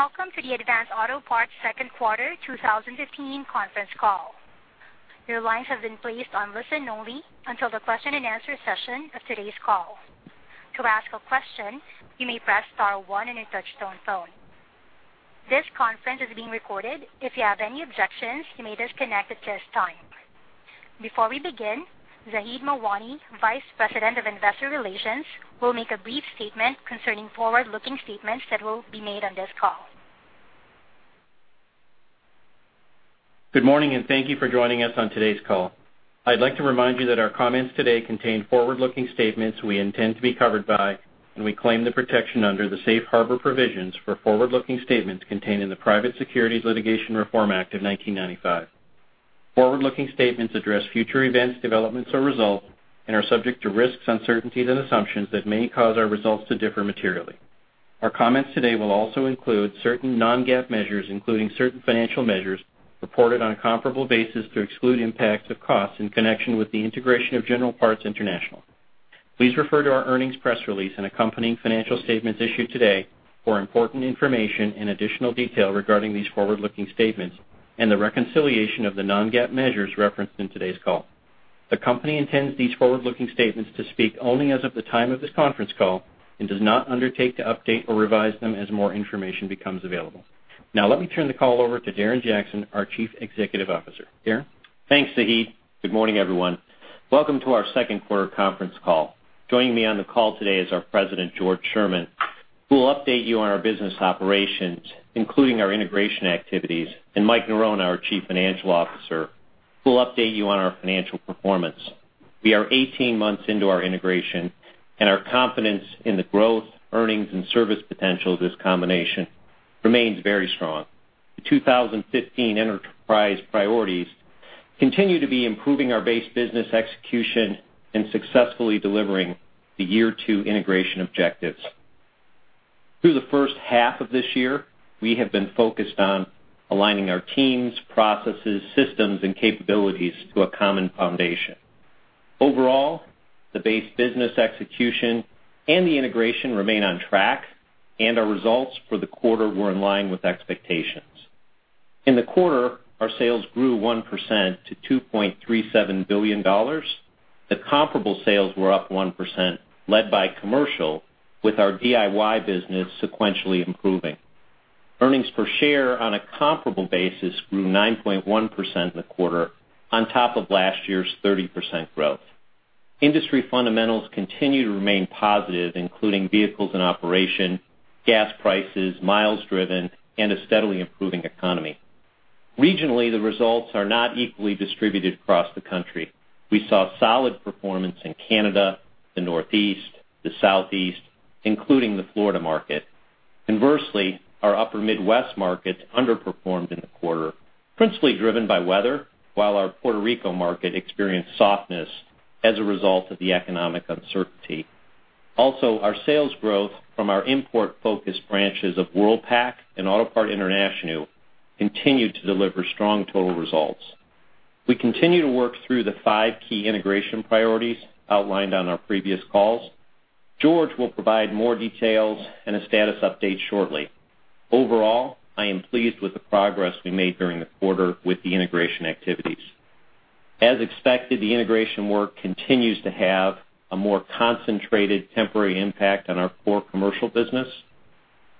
Welcome to the Advance Auto Parts second quarter 2015 conference call. Your lines have been placed on listen only until the question and answer session of today's call. To ask a question, you may press star one on your touch-tone phone. This conference is being recorded. If you have any objections, you may disconnect at this time. Before we begin, Zaheed Mawani, Vice President of Investor Relations, will make a brief statement concerning forward-looking statements that will be made on this call. Good morning. Thank you for joining us on today's call. I'd like to remind you that our comments today contain forward-looking statements we intend to be covered by, and we claim the protection under the safe harbor provisions for forward-looking statements contained in the Private Securities Litigation Reform Act of 1995. Forward-looking statements address future events, developments or results and are subject to risks, uncertainties, and assumptions that may cause our results to differ materially. Our comments today will also include certain non-GAAP measures, including certain financial measures reported on a comparable basis to exclude impacts of costs in connection with the integration of General Parts International. Please refer to our earnings press release and accompanying financial statements issued today for important information and additional detail regarding these forward-looking statements and the reconciliation of the non-GAAP measures referenced in today's call. The company intends these forward-looking statements to speak only as of the time of this conference call and does not undertake to update or revise them as more information becomes available. Now, let me turn the call over to Darren Jackson, our Chief Executive Officer. Darren? Thanks, Zaheed. Good morning, everyone. Welcome to our second quarter conference call. Joining me on the call today is our President, George Sherman, who will update you on our business operations, including our integration activities, and Mike Norona, our Chief Financial Officer, who will update you on our financial performance. We are 18 months into our integration, and our confidence in the growth, earnings, and service potential of this combination remains very strong. The 2015 enterprise priorities continue to be improving our base business execution and successfully delivering the year two integration objectives. Through the first half of this year, we have been focused on aligning our teams, processes, systems, and capabilities to a common foundation. Overall, the base business execution and the integration remain on track, and our results for the quarter were in line with expectations. In the quarter, our sales grew 1% to $2.37 billion. The comparable sales were up 1%, led by commercial, with our DIY business sequentially improving. Earnings per share on a comparable basis grew 9.1% in the quarter on top of last year's 30% growth. Industry fundamentals continue to remain positive, including vehicles in operation, gas prices, miles driven, and a steadily improving economy. Regionally, the results are not equally distributed across the country. We saw solid performance in Canada, the Northeast, the Southeast, including the Florida market. Conversely, our upper Midwest market underperformed in the quarter, principally driven by weather, while our Puerto Rico market experienced softness as a result of the economic uncertainty. Also, our sales growth from our import-focused branches of Worldpac and Autopart International continued to deliver strong total results. We continue to work through the 5 key integration priorities outlined on our previous calls. George will provide more details and a status update shortly. Overall, I am pleased with the progress we made during the quarter with the integration activities. As expected, the integration work continues to have a more concentrated temporary impact on our core commercial business.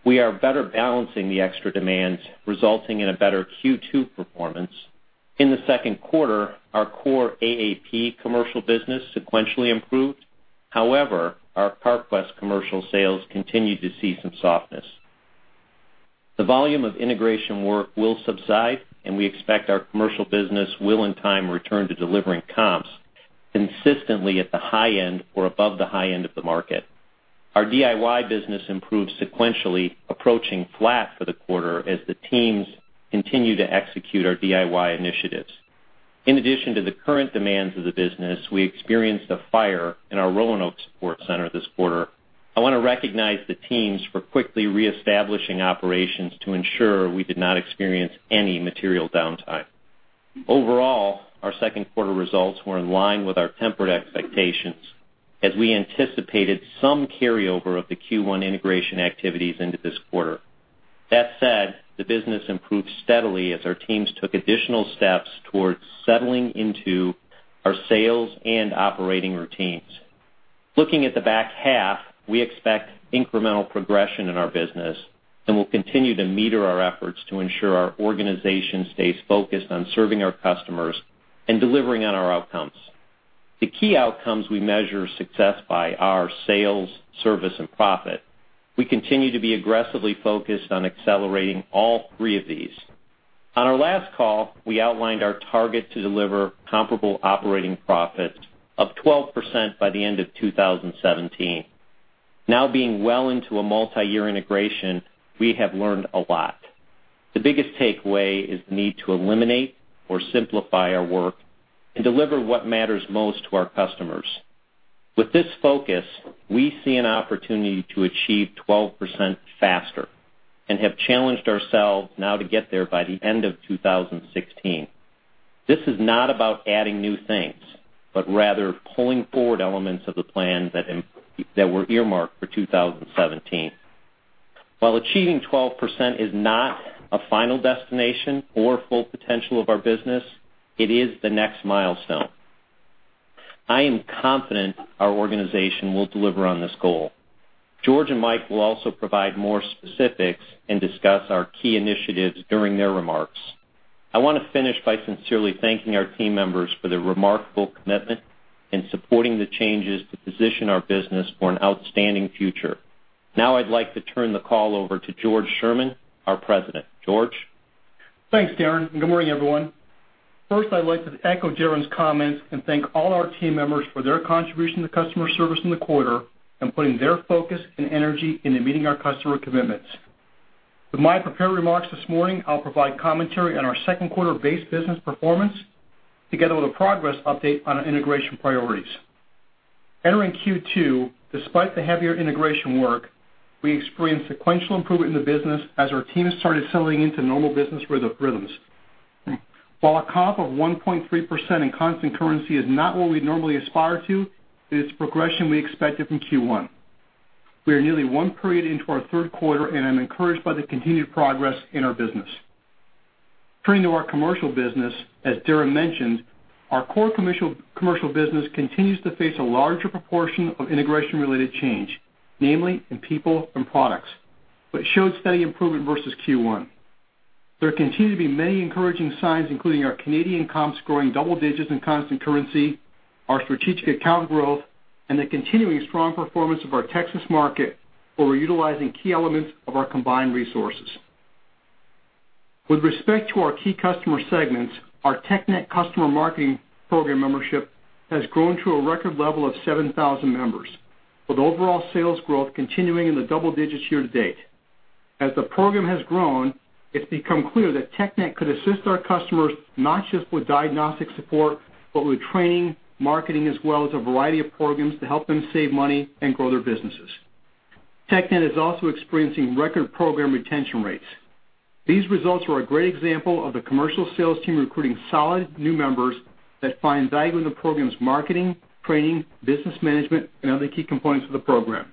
We are better balancing the extra demands, resulting in a better Q2 performance. In the second quarter, our core AAP commercial business sequentially improved. Our Carquest commercial sales continued to see some softness. The volume of integration work will subside, and we expect our commercial business will, in time, return to delivering comps consistently at the high end or above the high end of the market. Our DIY business improved sequentially, approaching flat for the quarter as the teams continue to execute our DIY initiatives. In addition to the current demands of the business, we experienced a fire in our Roanoke support center this quarter. I want to recognize the teams for quickly reestablishing operations to ensure we did not experience any material downtime. Overall, our second quarter results were in line with our tempered expectations as we anticipated some carryover of the Q1 integration activities into this quarter. That said, the business improved steadily as our teams took additional steps towards settling into our sales and operating routines. Looking at the back half, we expect incremental progression in our business and will continue to meter our efforts to ensure our organization stays focused on serving our customers and delivering on our outcomes. The key outcomes we measure success by are sales, service, and profit. We continue to be aggressively focused on accelerating all three of these. On our last call, we outlined our target to deliver comparable operating profit of 12% by the end of 2017. Now being well into a multi-year integration, we have learned a lot. The biggest takeaway is the need to eliminate or simplify our work and deliver what matters most to our customers. With this focus, we see an opportunity to achieve 12% faster and have challenged ourselves now to get there by the end of 2016. This is not about adding new things, but rather pulling forward elements of the plan that were earmarked for 2017. While achieving 12% is not a final destination or full potential of our business, it is the next milestone. I am confident our organization will deliver on this goal. George and Mike will also provide more specifics and discuss our key initiatives during their remarks. I want to finish by sincerely thanking our team members for their remarkable commitment in supporting the changes to position our business for an outstanding future. Now I'd like to turn the call over to George Sherman, our president. George? Thanks, Darren, good morning, everyone. First, I'd like to echo Darren's comments and thank all our team members for their contribution to customer service in the quarter and putting their focus and energy into meeting our customer commitments. With my prepared remarks this morning, I'll provide commentary on our second quarter base business performance together with a progress update on our integration priorities. Entering Q2, despite the heavier integration work, we experienced sequential improvement in the business as our team has started settling into normal business rhythms. While a comp of 1.3% in constant currency is not what we'd normally aspire to, it's progression we expected from Q1. We are nearly one period into our third quarter, I'm encouraged by the continued progress in our business. Turning to our commercial business, as Darren mentioned, our core commercial business continues to face a larger proportion of integration-related change, namely in people and products, showed steady improvement versus Q1. There continue to be many encouraging signs, including our Canadian comps growing double digits in constant currency, our strategic account growth, the continuing strong performance of our Texas market, where we're utilizing key elements of our combined resources. With respect to our key customer segments, our TechNet customer marketing program membership has grown to a record level of 7,000 members, with overall sales growth continuing in the double digits year to date. As the program has grown, it's become clear that TechNet could assist our customers not just with diagnostic support, but with training, marketing, as well as a variety of programs to help them save money and grow their businesses. TechNet is also experiencing record program retention rates. These results are a great example of the commercial sales team recruiting solid new members that find value in the program's marketing, training, business management, and other key components of the program.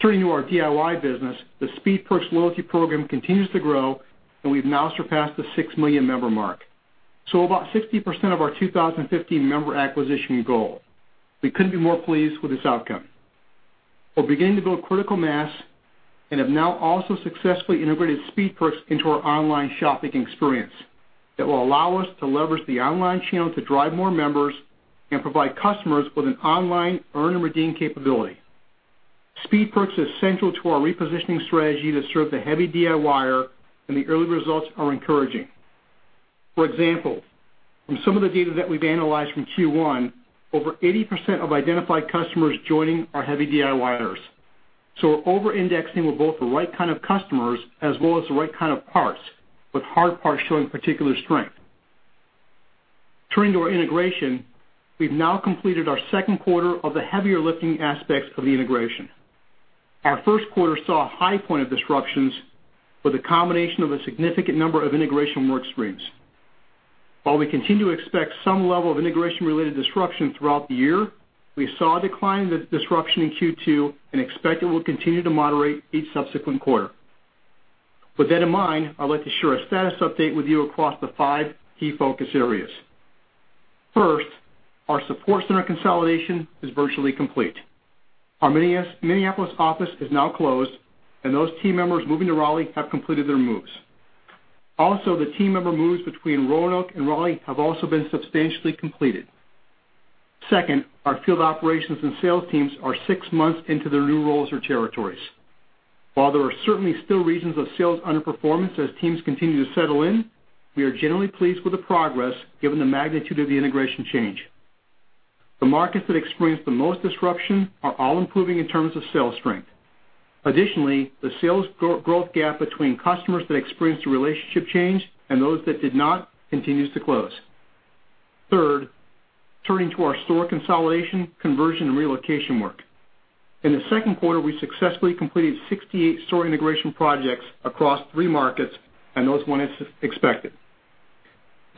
Turning to our DIY business, the Speed Perks loyalty program continues to grow, we've now surpassed the 6 million member mark. About 60% of our 2015 member acquisition goal. We couldn't be more pleased with this outcome. We're beginning to build critical mass and have now also successfully integrated Speed Perks into our online shopping experience that will allow us to leverage the online channel to drive more members and provide customers with an online earn and redeem capability. Speed Perks is central to our repositioning strategy to serve the heavy DIYer, the early results are encouraging. For example, from some of the data that we've analyzed from Q1, over 80% of identified customers joining are heavy DIYers. We're over-indexing with both the right kind of customers as well as the right kind of parts, with hard parts showing particular strength. Turning to our integration, we've now completed our second quarter of the heavier lifting aspects of the integration. Our first quarter saw a high point of disruptions with a combination of a significant number of integration work streams. While we continue to expect some level of integration-related disruption throughout the year, we saw a decline in the disruption in Q2 and expect it will continue to moderate each subsequent quarter. With that in mind, I'd like to share a status update with you across the five key focus areas. First, our support center consolidation is virtually complete. Our Minneapolis office is now closed, and those team members moving to Raleigh have completed their moves. Also, the team member moves between Roanoke and Raleigh have also been substantially completed. Second, our field operations and sales teams are 6 months into their new roles or territories. While there are certainly still regions of sales underperformance as teams continue to settle in, we are generally pleased with the progress given the magnitude of the integration change. The markets that experienced the most disruption are all improving in terms of sales strength. Additionally, the sales growth gap between customers that experienced the relationship change and those that did not continues to close. Third, turning to our store consolidation, conversion, and relocation work. In the second quarter, we successfully completed 68 store integration projects across three markets.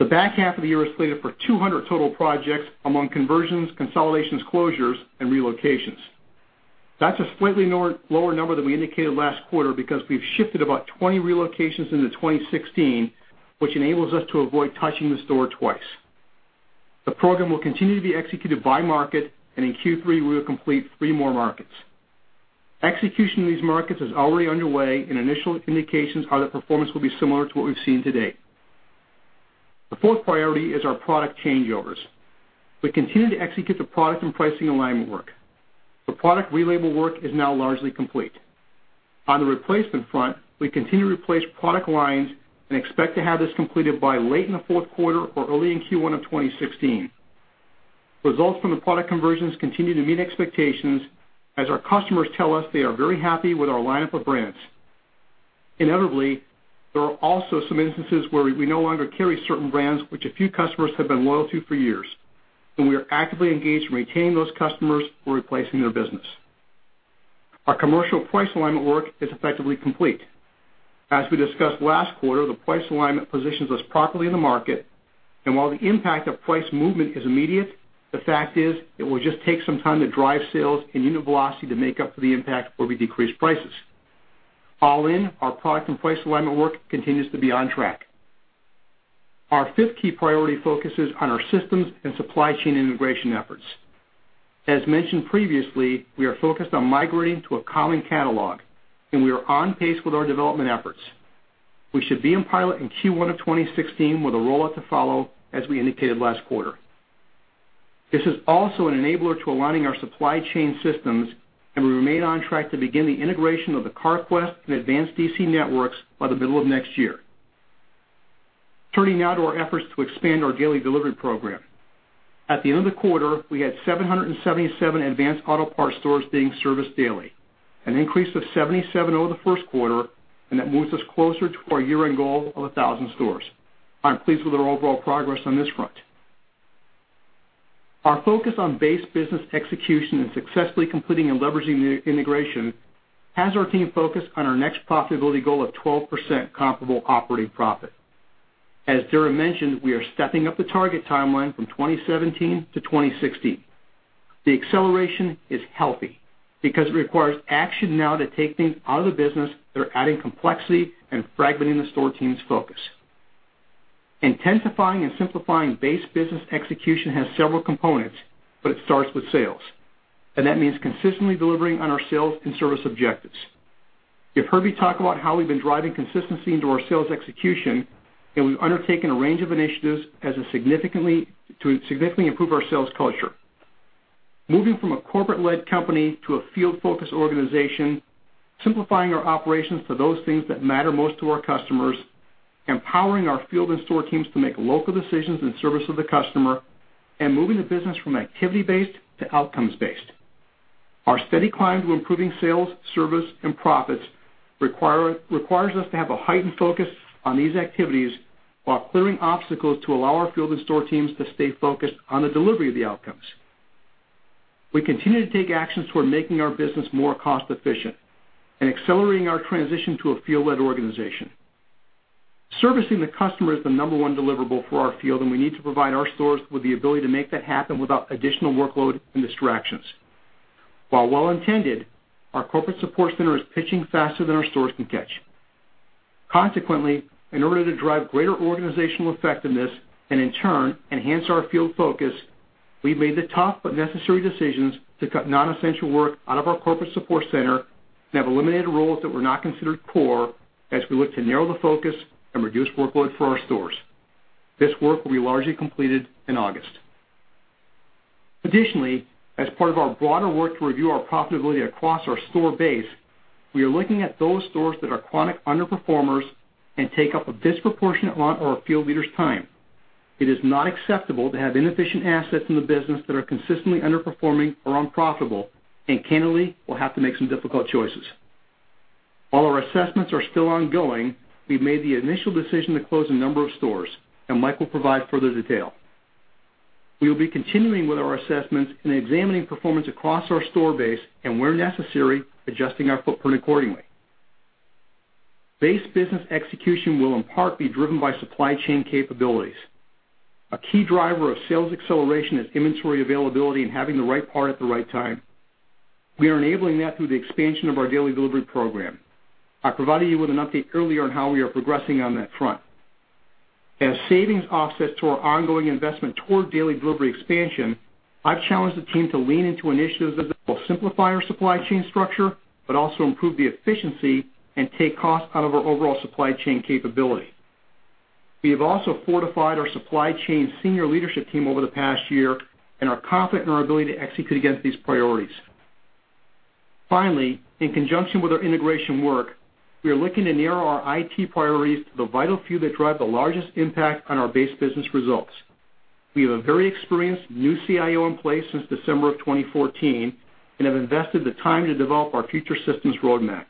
The back half of the year is slated for 200 total projects among conversions, consolidations, closures, and relocations. That's a slightly lower number than we indicated last quarter because we've shifted about 20 relocations into 2016, which enables us to avoid touching the store twice. The program will continue to be executed by market, and in Q3, we will complete three more markets. Execution in these markets is already underway, and initial indications are that performance will be similar to what we've seen to date. The fourth priority is our product changeovers. We continue to execute the product and pricing alignment work. The product relabel work is now largely complete. On the replacement front, we continue to replace product lines and expect to have this completed by late in the fourth quarter or early in Q1 of 2016. Results from the product conversions continue to meet expectations as our customers tell us they are very happy with our lineup of brands. Inevitably, there are also some instances where we no longer carry certain brands, which a few customers have been loyal to for years, and we are actively engaged in retaining those customers or replacing their business. Our commercial price alignment work is effectively complete. As we discussed last quarter, the price alignment positions us properly in the market, and while the impact of price movement is immediate, the fact is, it will just take some time to drive sales and unit velocity to make up for the impact where we decrease prices. All in, our product and price alignment work continues to be on track. Our fifth key priority focuses on our systems and supply chain integration efforts. As mentioned previously, we are focused on migrating to a common catalog, we are on pace with our development efforts. We should be in pilot in Q1 of 2016 with a rollout to follow, as we indicated last quarter. This is also an enabler to aligning our supply chain systems, we remain on track to begin the integration of the Carquest and Advance DC networks by the middle of next year. Turning now to our efforts to expand our daily delivery program. At the end of the quarter, we had 777 Advance Auto Parts stores being serviced daily, an increase of 77 over the first quarter, that moves us closer to our year-end goal of 1,000 stores. I'm pleased with our overall progress on this front. Our focus on base business execution and successfully completing and leveraging the integration has our team focused on our next profitability goal of 12% comparable operating profit. As Darren mentioned, we are stepping up the target timeline from 2017 to 2016. The acceleration is healthy because it requires action now to take things out of the business that are adding complexity and fragmenting the store team's focus. Intensifying and simplifying base business execution has several components, it starts with sales. That means consistently delivering on our sales and service objectives. You've heard me talk about how we've been driving consistency into our sales execution, we've undertaken a range of initiatives to significantly improve our sales culture. Moving from a corporate-led company to a field-focused organization, simplifying our operations to those things that matter most to our customers, empowering our field and store teams to make local decisions in service of the customer, and moving the business from activity-based to outcomes-based. Our steady climb to improving sales, service, and profits requires us to have a heightened focus on these activities while clearing obstacles to allow our field and store teams to stay focused on the delivery of the outcomes. We continue to take actions toward making our business more cost-efficient and accelerating our transition to a field-led organization. Servicing the customer is the number 1 deliverable for our field, we need to provide our stores with the ability to make that happen without additional workload and distractions. While well-intended, our corporate support center is pitching faster than our stores can catch. Consequently, in order to drive greater organizational effectiveness, in turn, enhance our field focus, we've made the tough but necessary decisions to cut non-essential work out of our corporate support center and have eliminated roles that were not considered core as we look to narrow the focus and reduce workload for our stores. This work will be largely completed in August. Additionally, as part of our broader work to review our profitability across our store base, we are looking at those stores that are chronic underperformers and take up a disproportionate amount of our field leaders' time. It is not acceptable to have inefficient assets in the business that are consistently underperforming or unprofitable, candidly, we'll have to make some difficult choices. While our assessments are still ongoing, we've made the initial decision to close a number of stores, Mike will provide further detail. We will be continuing with our assessments and examining performance across our store base, and where necessary, adjusting our footprint accordingly. Base business execution will in part be driven by supply chain capabilities. A key driver of sales acceleration is inventory availability and having the right part at the right time. We are enabling that through the expansion of our daily delivery program. I provided you with an update earlier on how we are progressing on that front. As savings offset to our ongoing investment toward daily delivery expansion, I've challenged the team to lean into initiatives that will simplify our supply chain structure but also improve the efficiency and take costs out of our overall supply chain capability. We have also fortified our supply chain senior leadership team over the past year and are confident in our ability to execute against these priorities. Finally, in conjunction with our integration work, we are looking to narrow our IT priorities to the vital few that drive the largest impact on our base business results. We have a very experienced new CIO in place since December of 2014 and have invested the time to develop our future systems roadmap.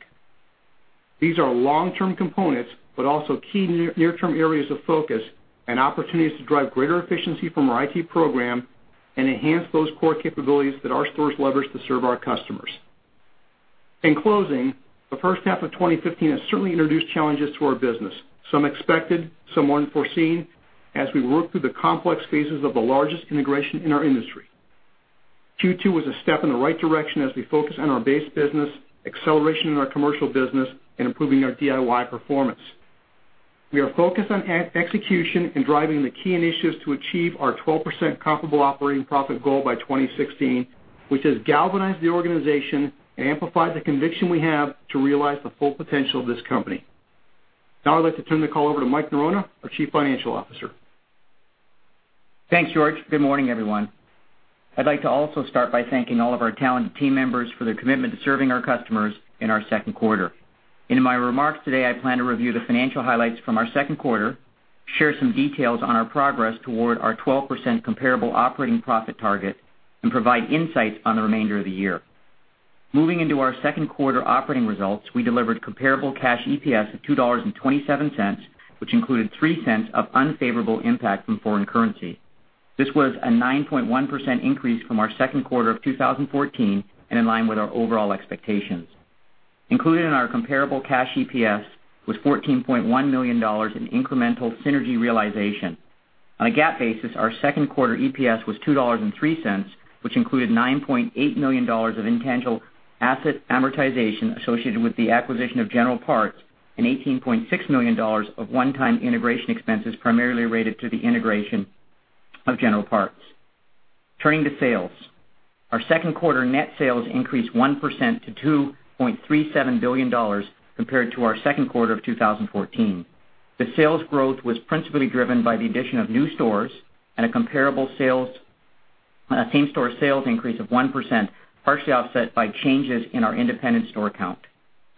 These are long-term components, but also key near-term areas of focus and opportunities to drive greater efficiency from our IT program and enhance those core capabilities that our stores leverage to serve our customers. In closing, the first half of 2015 has certainly introduced challenges to our business, some expected, some unforeseen, as we work through the complex phases of the largest integration in our industry. Q2 was a step in the right direction as we focus on our base business, acceleration in our commercial business, and improving our DIY performance. We are focused on execution and driving the key initiatives to achieve our 12% comparable operating profit goal by 2016, which has galvanized the organization and amplified the conviction we have to realize the full potential of this company. Now I'd like to turn the call over to Mike Norona, our Chief Financial Officer. Thanks, George. Good morning, everyone. I'd like to also start by thanking all of our talented team members for their commitment to serving our customers in our second quarter. In my remarks today, I plan to review the financial highlights from our second quarter, share some details on our progress toward our 12% comparable operating profit target, and provide insights on the remainder of the year. Moving into our second quarter operating results, we delivered comparable cash EPS of $2.27, which included $0.03 of unfavorable impact from foreign currency. This was a 9.1% increase from our second quarter of 2014 and in line with our overall expectations. Included in our comparable cash EPS was $14.1 million in incremental synergy realization. On a GAAP basis, our second quarter EPS was $2.03, which included $9.8 million of intangible asset amortization associated with the acquisition of General Parts and $18.6 million of one-time integration expenses, primarily related to the integration of General Parts. Turning to sales. Our second quarter net sales increased 1% to $2.37 billion compared to our second quarter of 2014. The sales growth was principally driven by the addition of new stores and a same-store sales increase of 1%, partially offset by changes in our independent store count.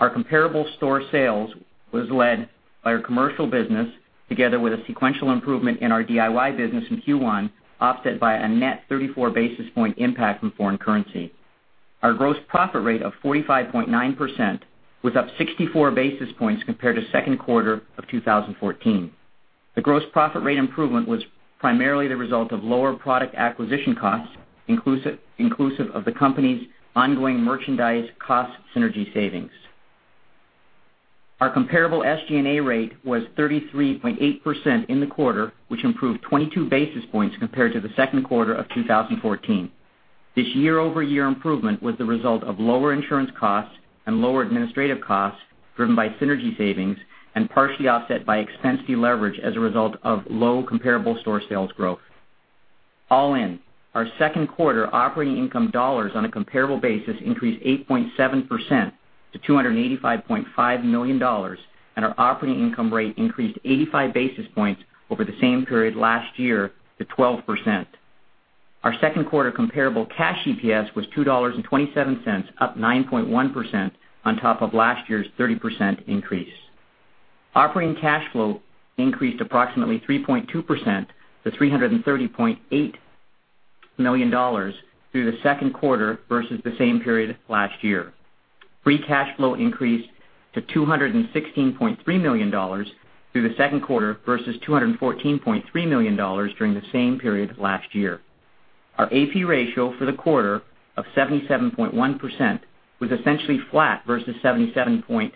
Our comparable store sales was led by our commercial business, together with a sequential improvement in our DIY business in Q1, offset by a net 34 basis point impact from foreign currency. Our gross profit rate of 45.9% was up 64 basis points compared to second quarter of 2014. The gross profit rate improvement was primarily the result of lower product acquisition costs, inclusive of the company's ongoing merchandise cost synergy savings. Our comparable SG&A rate was 33.8% in the quarter, which improved 22 basis points compared to the second quarter of 2014. This year-over-year improvement was the result of lower insurance costs and lower administrative costs, driven by synergy savings and partially offset by expense deleverage as a result of low comparable store sales growth. All in, our second quarter operating income dollars on a comparable basis increased 8.7% to $285.5 million, and our operating income rate increased 85 basis points over the same period last year to 12%. Our second quarter comparable cash EPS was $2.27, up 9.1% on top of last year's 30% increase. Operating cash flow increased approximately 3.2% to $330.8 million through the second quarter versus the same period last year. Free cash flow increased to $216.3 million through the second quarter versus $214.3 million during the same period last year. Our AP ratio for the quarter of 77.1% was essentially flat versus 77.6%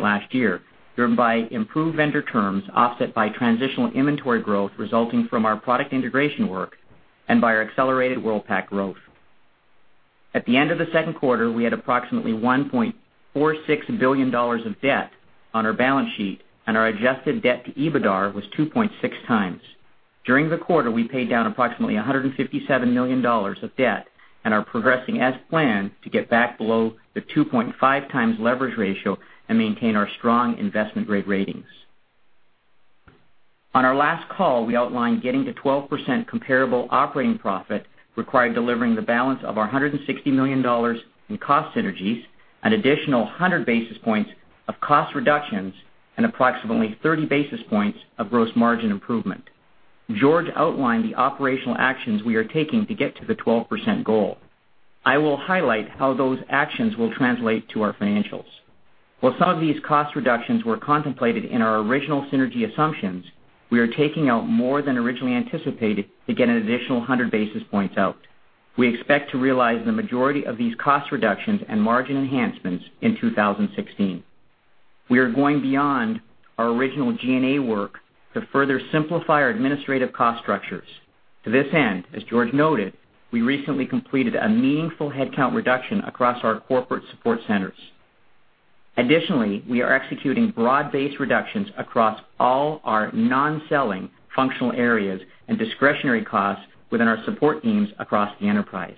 last year, driven by improved vendor terms offset by transitional inventory growth resulting from our product integration work and by our accelerated Worldpac growth. At the end of the second quarter, we had approximately $1.46 billion of debt on our balance sheet, and our adjusted debt to EBITDAR was 2.6 times. During the quarter, we paid down approximately $157 million of debt and are progressing as planned to get back below the 2.5 times leverage ratio and maintain our strong investment-grade ratings. On our last call, we outlined getting to 12% comparable operating profit required delivering the balance of our $160 million in cost synergies, an additional 100 basis points of cost reductions, and approximately 30 basis points of gross margin improvement. George outlined the operational actions we are taking to get to the 12% goal. I will highlight how those actions will translate to our financials. While some of these cost reductions were contemplated in our original synergy assumptions, we are taking out more than originally anticipated to get an additional 100 basis points out. We expect to realize the majority of these cost reductions and margin enhancements in 2016. We are going beyond our original G&A work to further simplify our administrative cost structures. To this end, as George noted, we recently completed a meaningful headcount reduction across our corporate support centers. Additionally, we are executing broad-based reductions across all our non-selling functional areas and discretionary costs within our support teams across the enterprise.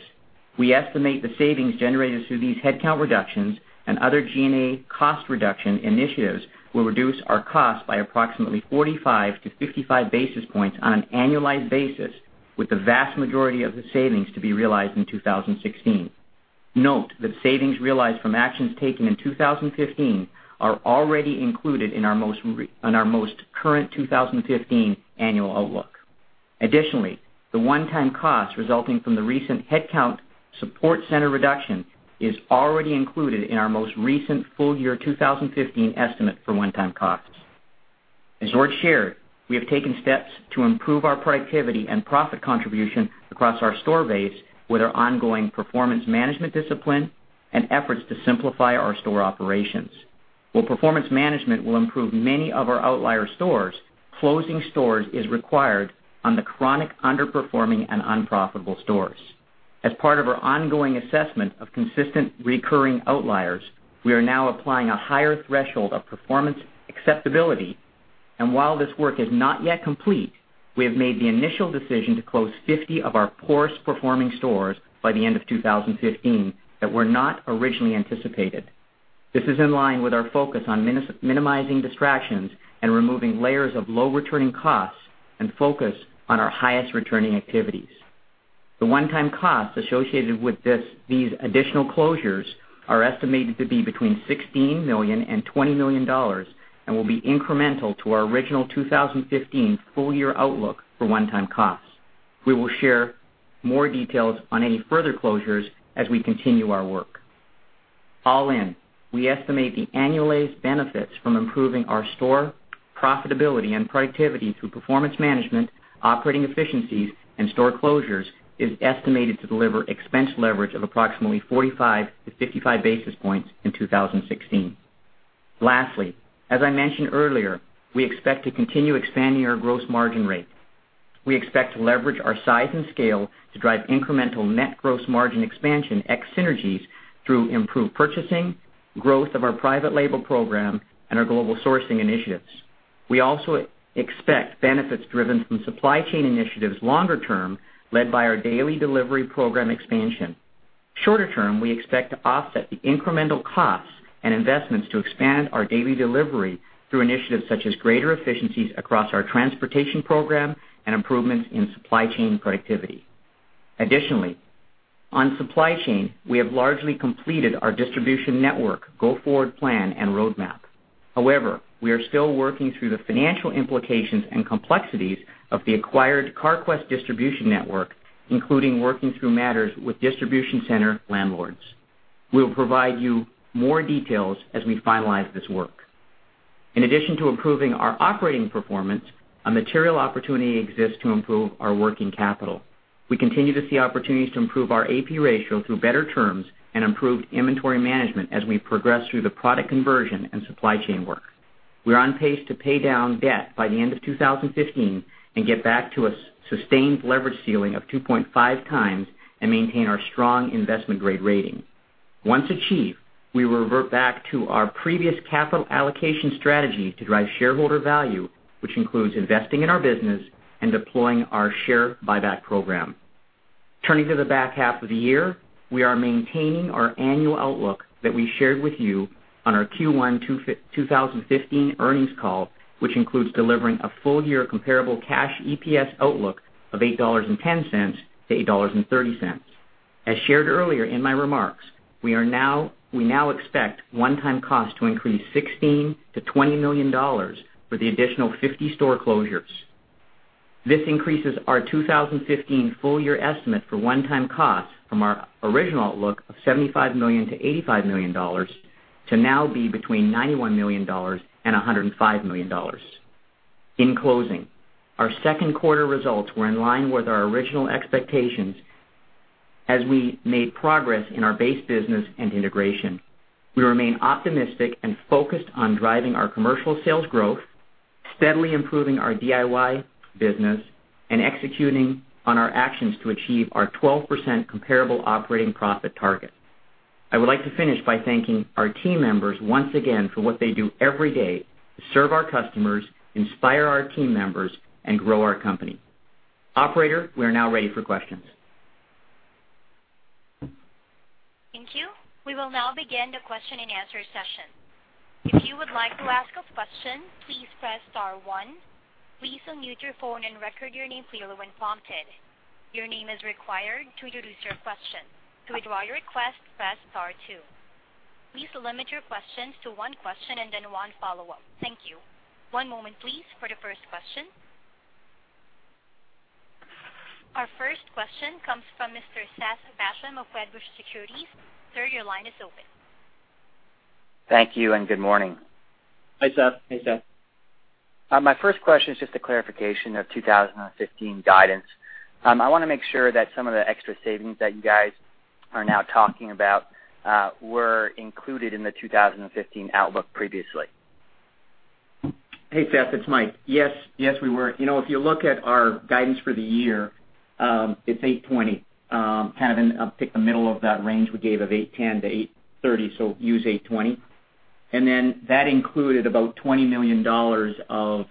We estimate the savings generated through these headcount reductions and other G&A cost reduction initiatives will reduce our cost by approximately 45-55 basis points on an annualized basis, with the vast majority of the savings to be realized in 2016. Note that savings realized from actions taken in 2015 are already included on our most current 2015 annual outlook. Additionally, the one-time cost resulting from the recent headcount support center reduction is already included in our most recent full-year 2015 estimate for one-time costs. As George shared, we have taken steps to improve our productivity and profit contribution across our store base with our ongoing performance management discipline and efforts to simplify our store operations. While performance management will improve many of our outlier stores, closing stores is required on the chronic underperforming and unprofitable stores. As part of our ongoing assessment of consistent recurring outliers, we are now applying a higher threshold of performance acceptability, and while this work is not yet complete, we have made the initial decision to close 50 of our poorest-performing stores by the end of 2015 that were not originally anticipated. This is in line with our focus on minimizing distractions and removing layers of low-returning costs and focus on our highest-returning activities. The one-time costs associated with these additional closures are estimated to be between $16 million and $20 million and will be incremental to our original 2015 full-year outlook for one-time costs. We will share more details on any further closures as we continue our work. All in, we estimate the annualized benefits from improving our store profitability and productivity through performance management, operating efficiencies, and store closures is estimated to deliver expense leverage of approximately 45-55 basis points in 2016. Lastly, as I mentioned earlier, we expect to continue expanding our gross margin rate. We expect to leverage our size and scale to drive incremental net gross margin expansion ex synergies through improved purchasing, growth of our private label program, and our global sourcing initiatives. We also expect benefits driven from supply chain initiatives longer term, led by our daily delivery program expansion. Shorter term, we expect to offset the incremental costs and investments to expand our daily delivery through initiatives such as greater efficiencies across our transportation program and improvements in supply chain productivity. Additionally, on supply chain, we have largely completed our distribution network go-forward plan and roadmap. We are still working through the financial implications and complexities of the acquired Carquest distribution network, including working through matters with distribution center landlords. We will provide you more details as we finalize this work. In addition to improving our operating performance, a material opportunity exists to improve our working capital. We continue to see opportunities to improve our AP ratio through better terms and improved inventory management as we progress through the product conversion and supply chain work. We are on pace to pay down debt by the end of 2015 and get back to a sustained leverage ceiling of 2.5 times and maintain our strong investment-grade rating. Once achieved, we will revert back to our previous capital allocation strategy to drive shareholder value, which includes investing in our business and deploying our share buyback program. Turning to the back half of the year, we are maintaining our annual outlook that we shared with you on our Q1 2015 earnings call, which includes delivering a full-year comparable cash EPS outlook of $8.10-$8.30. As shared earlier in my remarks, we now expect one-time costs to increase $16 million-$20 million with the additional 50 store closures. This increases our 2015 full-year estimate for one-time costs from our original outlook of $75 million-$85 million to now be between $91 million and $105 million. In closing, our second quarter results were in line with our original expectations as we made progress in our base business and integration. We remain optimistic and focused on driving our commercial sales growth, steadily improving our DIY business, and executing on our actions to achieve our 12% comparable operating profit target. I would like to finish by thanking our team members once again for what they do every day to serve our customers, inspire our team members, and grow our company. Operator, we are now ready for questions. Thank you. We will now begin the question and answer session. If you would like to ask a question, please press star one. Please unmute your phone and record your name clearly when prompted. Your name is required to introduce your question. To withdraw your request, press star two. Please limit your questions to one question and then one follow-up. Thank you. One moment, please, for the first question. Our first question comes from Mr. Seth Basham of Wedbush Securities. Sir, your line is open. Thank you and good morning. Hi, Seth. My first question is just a clarification of 2015 guidance. I want to make sure that some of the extra savings that you guys are now talking about were included in the 2015 outlook previously. Hey, Seth, it's Mike. Yes, we were. If you look at our guidance for the year, it's $820 million. Pick the middle of that range we gave of $810 million-$830 million, use $820 million. That included about $20 million of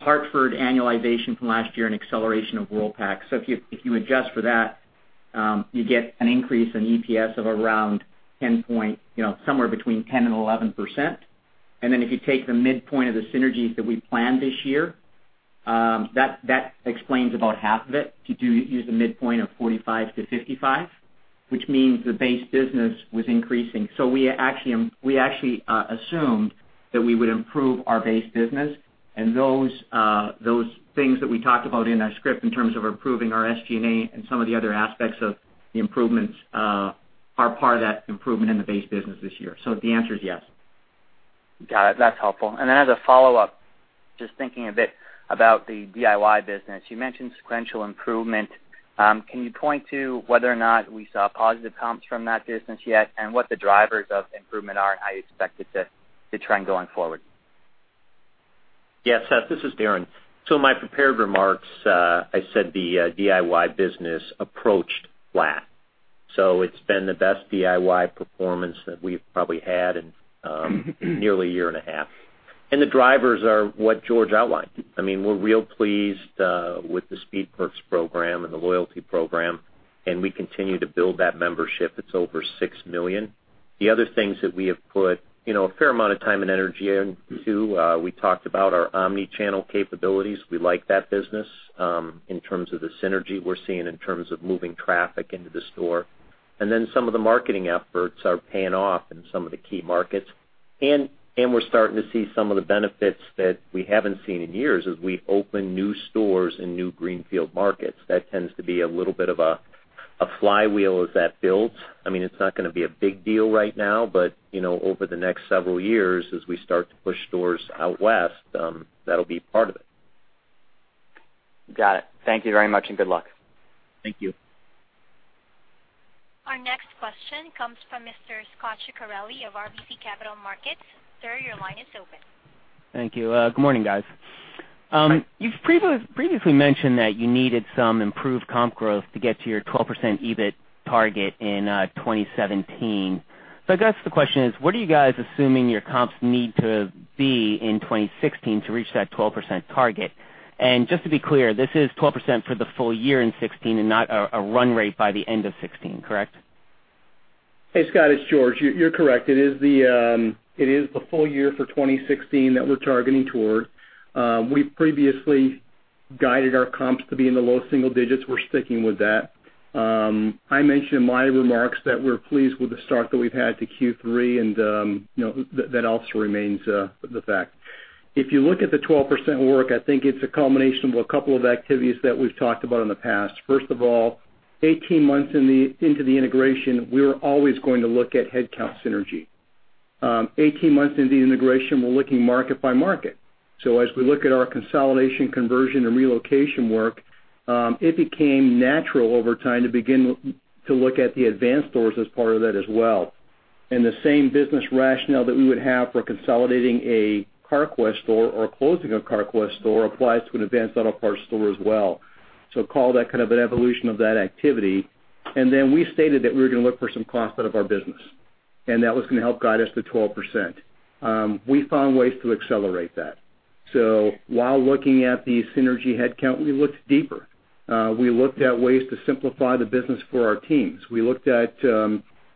Hartford annualization from last year and acceleration of Worldpac. If you adjust for that, you get an increase in EPS of somewhere between 10% and 11%. If you take the midpoint of the synergies that we planned this year, that explains about half of it. If you use the midpoint of $45 million-$55 million, which means the base business was increasing. We actually assumed that we would improve our base business, and those things that we talked about in our script in terms of improving our SG&A and some of the other aspects of the improvements are part of that improvement in the base business this year. The answer is yes. Got it. That's helpful. As a follow-up, just thinking a bit about the DIY business. You mentioned sequential improvement. Can you point to whether or not we saw positive comps from that business yet, and what the drivers of improvement are, and how you expect it to trend going forward? Yeah, Seth, this is Darren. In my prepared remarks, I said the DIY business approached flat. It's been the best DIY performance that we've probably had in nearly a year and a half. The drivers are what George outlined. We're real pleased with the Speed Perks program and the loyalty program, and we continue to build that membership. It's over 6 million. The other things that we have put a fair amount of time and energy into, we talked about our omni-channel capabilities. We like that business in terms of the synergy we're seeing in terms of moving traffic into the store. Some of the marketing efforts are paying off in some of the key markets. We're starting to see some of the benefits that we haven't seen in years as we open new stores in new greenfield markets. That tends to be a little bit of a flywheel as that builds. It's not going to be a big deal right now, but over the next several years, as we start to push stores out west, that'll be part of it. Got it. Thank you very much, and good luck. Thank you. Our next question comes from Mr. Scot Ciccarelli of RBC Capital Markets. Sir, your line is open. Thank you. Good morning, guys. Hi. You've previously mentioned that you needed some improved comp growth to get to your 12% EBIT target in 2017. I guess the question is, what are you guys assuming your comps need to be in 2016 to reach that 12% target? Just to be clear, this is 12% for the full year in 2016 and not a run rate by the end of 2016, correct? Hey, Scot, it's George. You're correct. It is the full year for 2016 that we're targeting toward. We previously guided our comps to be in the low single digits. We're sticking with that. I mentioned in my remarks that we're pleased with the start that we've had to Q3, and that also remains the fact. If you look at the 12% work, I think it's a culmination of a couple of activities that we've talked about in the past. First of all, 18 months into the integration, we were always going to look at headcount synergy. 18 months into the integration, we're looking market by market. As we look at our consolidation, conversion, and relocation work, it became natural over time to begin to look at the Advance stores as part of that as well. The same business rationale that we would have for consolidating a Carquest store or closing a Carquest store applies to an Advance Auto Parts store as well. Call that kind of an evolution of that activity. Then we stated that we were going to look for some cost out of our business, and that was going to help guide us to 12%. We found ways to accelerate that. While looking at the synergy headcount, we looked deeper. We looked at ways to simplify the business for our teams. We looked at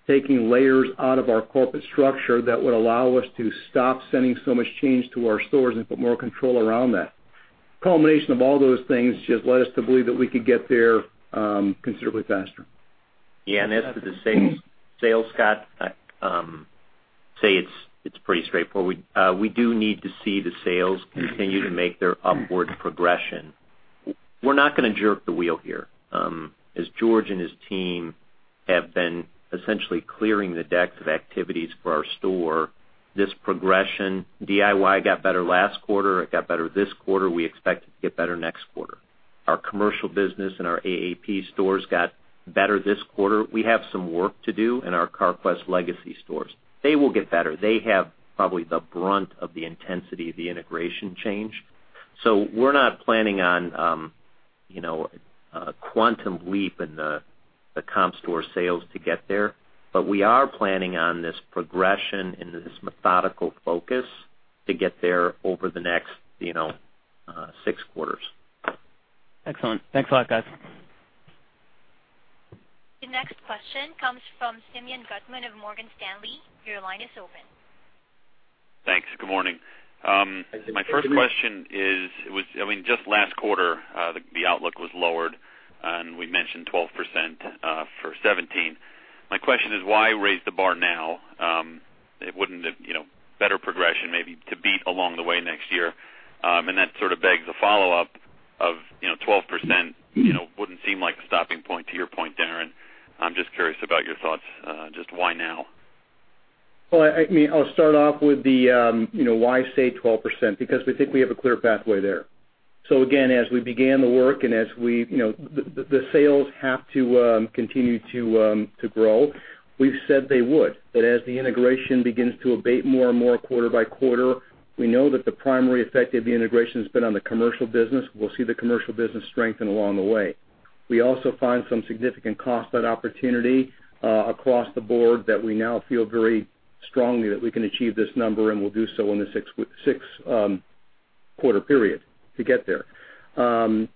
taking layers out of our corporate structure that would allow us to stop sending so much change to our stores and put more control around that. The culmination of all those things just led us to believe that we could get there considerably faster. As for the sales, Scot, I'd say it's pretty straightforward. We do need to see the sales continue to make their upward progression. We're not going to jerk the wheel here. As George and his team have been essentially clearing the decks of activities for our store, this progression, DIY got better last quarter, it got better this quarter, we expect it to get better next quarter. Our commercial business and our AAP stores got better this quarter. We have some work to do in our Carquest legacy stores. They will get better. They have probably the brunt of the intensity of the integration change. We're not planning on a quantum leap in the comp store sales to get there. We are planning on this progression and this methodical focus to get there over the next six quarters. Excellent. Thanks a lot, guys. The next question comes from Simeon Gutman of Morgan Stanley. Your line is open. Thanks. Good morning. Good morning. My first question is, just last quarter, the outlook was lowered, and we mentioned 12% for 2017. My question is, why raise the bar now? Wouldn't better progression maybe to beat along the way next year? That sort of begs a follow-up of 12% wouldn't seem like a stopping point to your point, Darren. I'm just curious about your thoughts. Just why now? Well, I'll start off with the why say 12%? Because we think we have a clear pathway there. Again, as we began the work and as the sales have to continue to grow, we've said they would, that as the integration begins to abate more and more quarter by quarter, we know that the primary effect of the integration has been on the commercial business. We'll see the commercial business strengthen along the way. We also find some significant cost out opportunity across the board that we now feel very strongly that we can achieve this number, and we'll do so in the six-quarter period to get there. 12%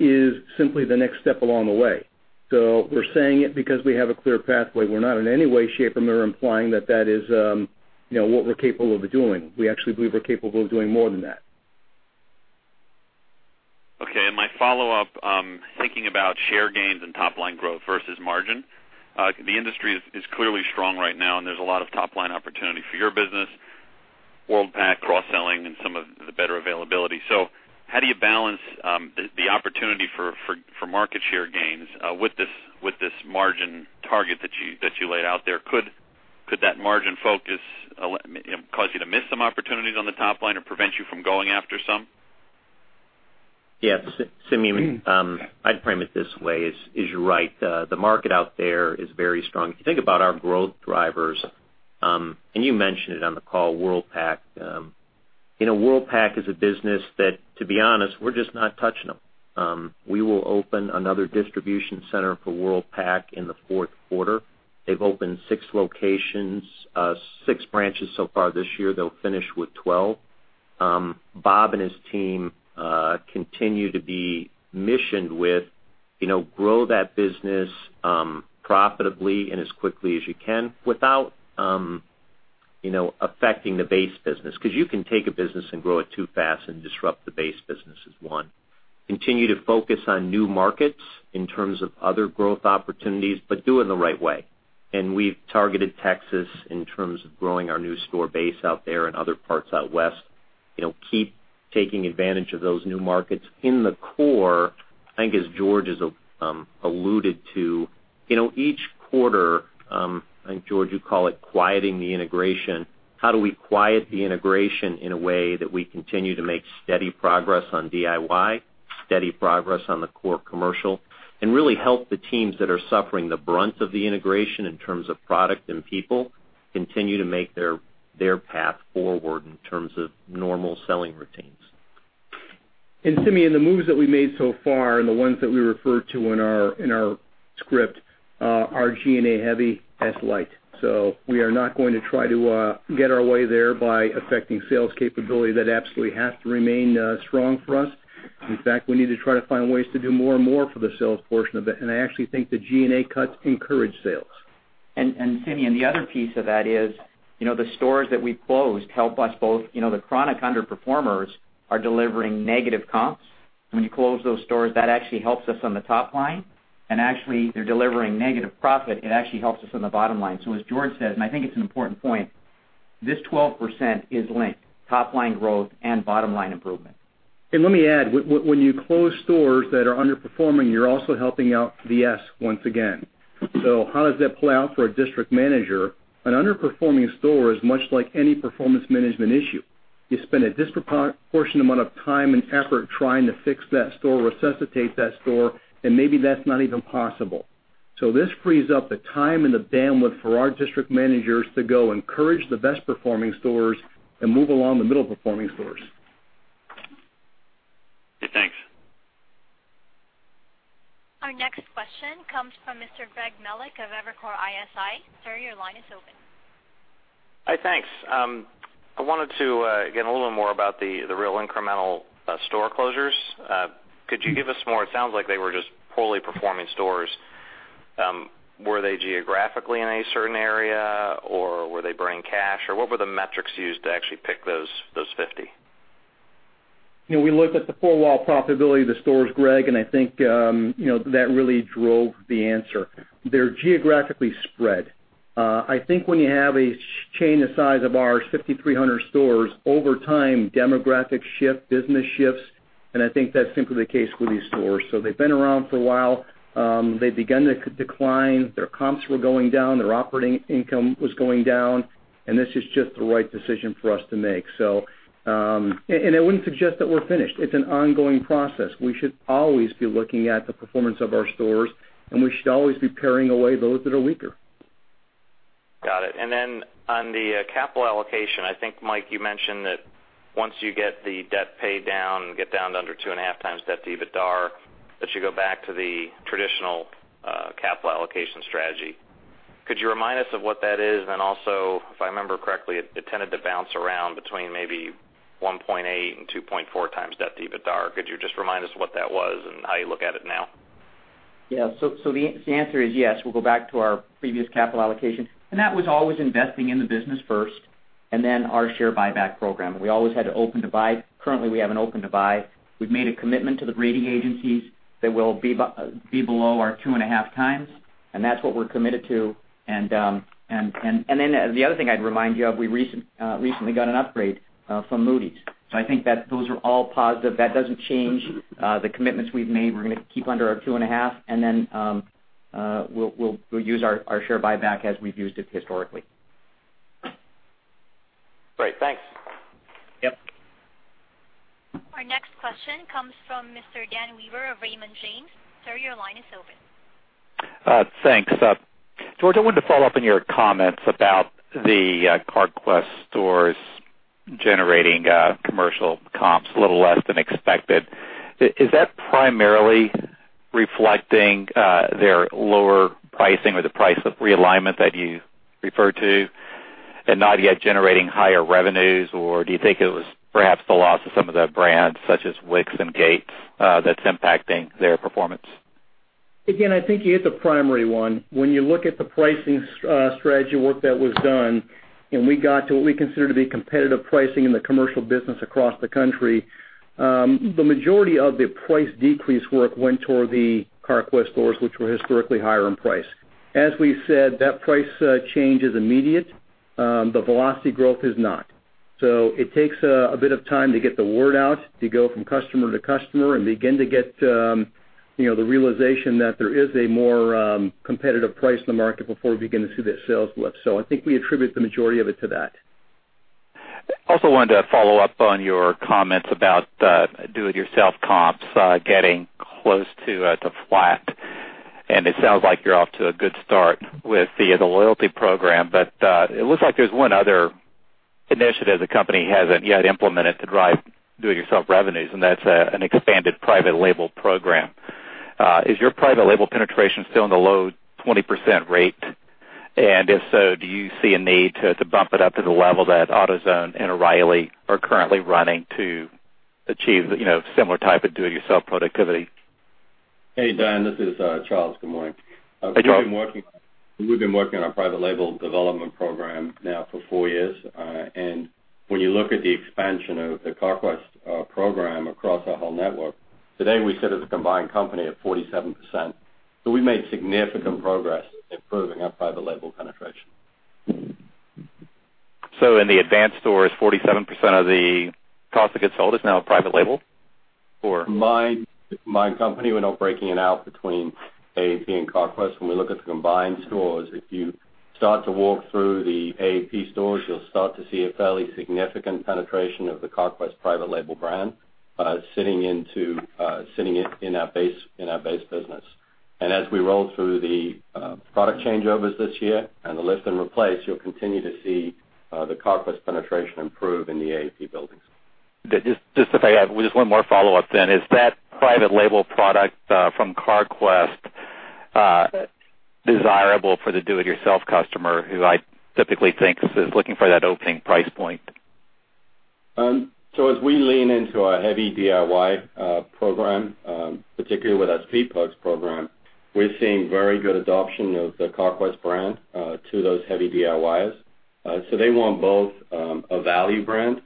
is simply the next step along the way. We're saying it because we have a clear pathway. We're not in any way, shape, or manner implying that that is what we're capable of doing. We actually believe we're capable of doing more than that. Okay, my follow-up, thinking about share gains and top-line growth versus margin, the industry is clearly strong right now, and there's a lot of top-line opportunity for your business, Worldpac cross-selling, and some of the better availability. How do you balance the opportunity for market share gains with this margin target that you laid out there? Could that margin focus cause you to miss some opportunities on the top line or prevent you from going after some? Yeah, Simeon, I'd frame it this way, is you're right. The market out there is very strong. If you think about our growth drivers, you mentioned it on the call, Worldpac. Worldpac is a business that, to be honest, we're just not touching them. We will open another distribution center for Worldpac in the fourth quarter. They've opened six locations, six branches so far this year. They'll finish with 12. Bob and his team continue to be missioned with grow that business profitably and as quickly as you can without affecting the base business, because you can take a business and grow it too fast and disrupt the base business is one. Continue to focus on new markets in terms of other growth opportunities, do it in the right way. We've targeted Texas in terms of growing our new store base out there and other parts out West. Keep taking advantage of those new markets. In the core, I think as George has alluded to, each quarter, I think, George, you call it quieting the integration. How do we quiet the integration in a way that we continue to make steady progress on DIY, steady progress on the core commercial, and really help the teams that are suffering the brunt of the integration in terms of product and people continue to make their path forward in terms of normal selling routines. Simeon, the moves that we've made so far and the ones that we referred to in our script are G&A heavy, S light. We are not going to try to get our way there by affecting sales capability. That absolutely has to remain strong for us. In fact, we need to try to find ways to do more and more for the sales portion of it. I actually think the G&A cuts encourage sales. Simeon, the other piece of that is, the stores that we closed help us both. The chronic underperformers are delivering negative comps. When you close those stores, that actually helps us on the top line. Actually, they're delivering negative profit. It actually helps us on the bottom line. As George said, and I think it's an important point, this 12% is linked. Top line growth and bottom-line improvement. Let me add, when you close stores that are underperforming, you're also helping out the S once again. How does that play out for a district manager? An underperforming store is much like any performance management issue. You spend a disproportionate amount of time and effort trying to fix that store, resuscitate that store, and maybe that's not even possible. This frees up the time and the bandwidth for our district managers to go encourage the best-performing stores and move along the middle-performing stores. Okay, thanks. Our next question comes from Mr. Greg Melich of Evercore ISI. Sir, your line is open. Hi, thanks. I wanted to get a little more about the real incremental store closures. Could you give us more? It sounds like they were just poorly performing stores. Were they geographically in a certain area, or were they burning cash, or what were the metrics used to actually pick those 50? We looked at the four-wall profitability of the stores, Greg, and I think that really drove the answer. They're geographically spread. I think when you have a chain the size of ours, 5,300 stores, over time, demographics shift, business shifts, and I think that's simply the case with these stores. They've been around for a while. They've begun to decline. Their comps were going down. Their operating income was going down. This is just the right decision for us to make. I wouldn't suggest that we're finished. It's an ongoing process. We should always be looking at the performance of our stores, and we should always be paring away those that are weaker. Got it. Then on the capital allocation, I think, Mike, you mentioned that once you get the debt paid down, get down to under 2.5 times debt to EBITDA, that you go back to the traditional capital allocation strategy. Could you remind us of what that is? Also, if I remember correctly, it tended to bounce around between maybe 1.8 and 2.4 times debt to EBITDA. Could you just remind us what that was and how you look at it now? Yeah. The answer is yes. We'll go back to our previous capital allocation. That was always investing in the business first and then our share buyback program. We always had an open to buy. Currently, we have an open to buy. We've made a commitment to the rating agencies that we'll be below our 2.5 times, and that's what we're committed to. The other thing I'd remind you of, we recently got an upgrade from Moody's. I think that those are all positive. That doesn't change the commitments we've made. We're going to keep under our 2.5, then we'll use our share buyback as we've used it historically. Great. Thanks. Yep. Our next question comes from Mr. Dan Wewer of Raymond James. Sir, your line is open. Thanks. George, I wanted to follow up on your comments about the Carquest stores generating commercial comps a little less than expected. Is that primarily reflecting their lower pricing or the price realignment that you referred to and not yet generating higher revenues? Do you think it was perhaps the loss of some of the brands such as WIX and Gates that's impacting their performance? Again, I think you hit the primary one. When you look at the pricing strategy work that was done, and we got to what we consider to be competitive pricing in the commercial business across the country. The majority of the price decrease work went toward the Carquest stores, which were historically higher in price. As we've said, that price change is immediate. The velocity growth is not. It takes a bit of time to get the word out, to go from customer to customer and begin to get the realization that there is a more competitive price in the market before we begin to see that sales lift. I think we attribute the majority of it to that. Also wanted to follow up on your comments about do-it-yourself comps getting close to flat. It sounds like you're off to a good start with the Loyalty Program, but it looks like there's one other initiative the company hasn't yet implemented to drive do-it-yourself revenues, and that's an expanded Private Label Program. Is your Private Label penetration still in the low 20% rate? If so, do you see a need to bump it up to the level that AutoZone and O'Reilly are currently running to achieve similar type of do-it-yourself productivity? Hey, Dan, this is Charles. Good morning. Hey, Charles. We've been working on our private label development program now for four years. When you look at the expansion of the Carquest program across our whole network, today, we sit as a combined company at 47%. We've made significant progress in improving our private label penetration. In the Advance stores, 47% of the cost of goods sold is now a private label, or? Combined company. We're not breaking it out between AAP and Carquest. When we look at the combined stores, if you start to walk through the AAP stores, you'll start to see a fairly significant penetration of the Carquest private label brand sitting in our base business. As we roll through the product changeovers this year and the list and replace, you'll continue to see the Carquest penetration improve in the AAP buildings. Just to follow up, one more follow-up then. Is that private label product from Carquest desirable for the do it yourself customer who I typically think is looking for that opening price point? As we lean into our heavy DIY program, particularly with our Speed Perks program, we're seeing very good adoption of the Carquest brand to those heavy DIYers. They want both a value brand,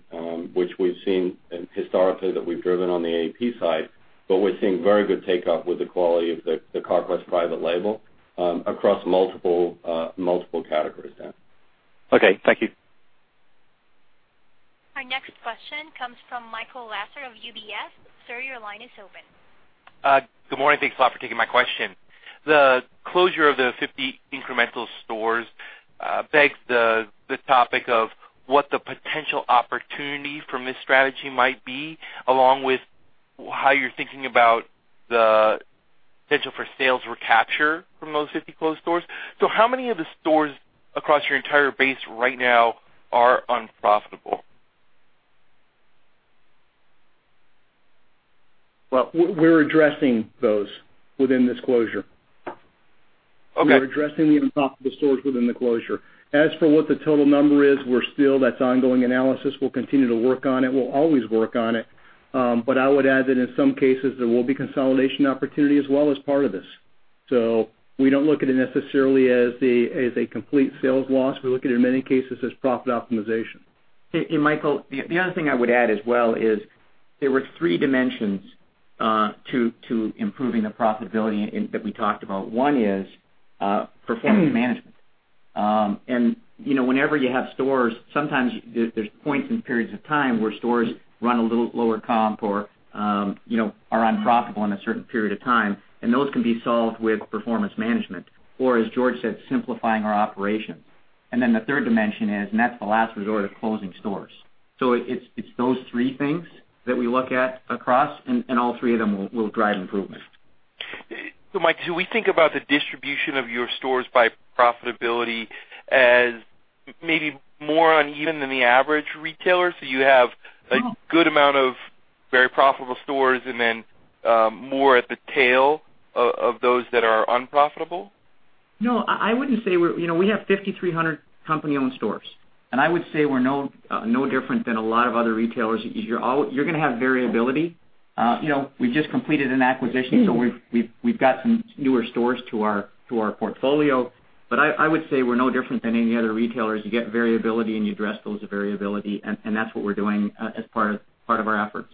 which we've seen historically that we've driven on the AAP side, but we're seeing very good take up with the quality of the Carquest private label across multiple categories, Dan. Okay. Thank you. Our next question comes from Michael Lasser of UBS. Sir, your line is open. Good morning. Thanks a lot for taking my question. The closure of the 50 incremental stores begs the topic of what the potential opportunity from this strategy might be, along with how you're thinking about the potential for sales recapture from those 50 closed stores. How many of the stores across your entire base right now are unprofitable? We're addressing those within this closure. Okay. We're addressing the unprofitable stores within the closure. As for what the total number is, that's ongoing analysis. We'll continue to work on it. We'll always work on it. I would add that in some cases, there will be consolidation opportunity as well as part of this. We don't look at it necessarily as a complete sales loss. We look at it in many cases as profit optimization. Michael, the other thing I would add as well is there were three dimensions to improving the profitability that we talked about. One is performance management. Whenever you have stores, sometimes there's points and periods of time where stores run a little lower comp or are unprofitable in a certain period of time, and those can be solved with performance management. As George said, simplifying our operations. The third dimension is, and that's the last resort, of closing stores. It's those three things that we look at across, and all three of them will drive improvement. Mike, do we think about the distribution of your stores by profitability as maybe more uneven than the average retailer? You have a good amount of very profitable stores and then more at the tail of those that are unprofitable? No, I wouldn't say. We have 5,300 company-owned stores, and I would say we're no different than a lot of other retailers. You're going to have variability. We just completed an acquisition, so we've got some newer stores to our portfolio. I would say we're no different than any other retailers. You get variability and you address those variability, and that's what we're doing as part of our efforts.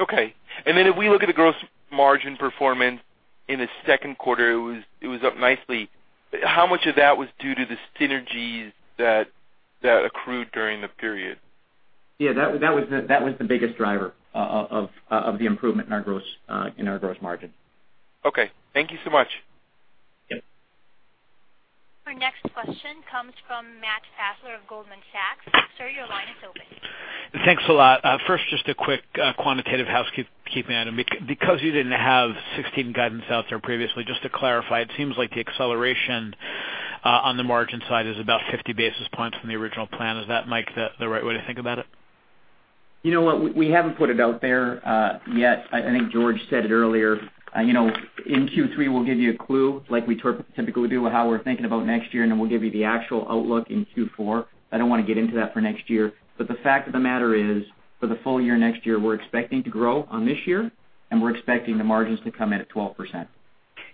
Okay. If we look at the gross margin performance in the second quarter, it was up nicely. How much of that was due to the synergies that accrued during the period? Yeah, that was the biggest driver of the improvement in our gross margin. Okay. Thank you so much. Yep. Our next question comes from Matt Fassler of Goldman Sachs. Sir, your line is open. Thanks a lot. First, just a quick quantitative housekeeping item. Because you didn't have 2016 guidance out there previously, just to clarify, it seems like the acceleration on the margin side is about 50 basis points from the original plan. Is that, Mike, the right way to think about it? You know what? We haven't put it out there yet. I think George said it earlier. In Q3, we'll give you a clue, like we typically do, with how we're thinking about next year, and then we'll give you the actual outlook in Q4. I don't want to get into that for next year. The fact of the matter is, for the full year next year, we're expecting to grow on this year, and we're expecting the margins to come in at 12%.